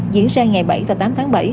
diễn ra ngày bảy và tám tháng bảy